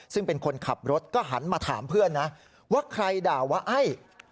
ซึ่งเป็นคนขับรถก็หันมาถามเพื่อนนะว่าใครด่าว่าไอ้